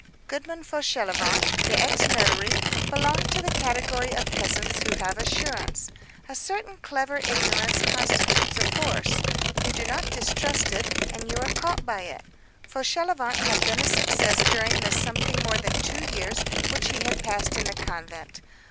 Goodman Fauchelevent, the ex notary, belonged to the category of peasants who have assurance. A certain clever ignorance constitutes a force; you do not distrust it, and you are caught by it. Fauchelevent had been a success during the something more than two years which he had passed in the convent.